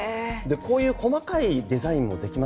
こういう細かいデザインもでき